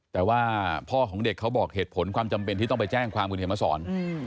แต่ว่าพ่อของเด็กเขาบอกเหตุผลความจำเป็นที่ต้องไปแจ้งความคุณเขียนมาสอน